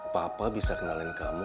papa bisa kenalin kamu